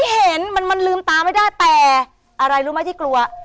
เห็นมันลืมตาไม่ได้แต่อะไรรู้ไหมที่กลัว